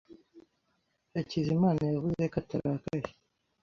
Hakizimana yavuze ko atarakaye.